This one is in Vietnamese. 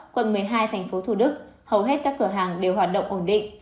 quận một mươi hai tp thủ đức hầu hết các cửa hàng đều hoạt động ổn định